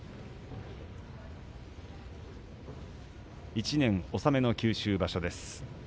１年納めの九州場所です。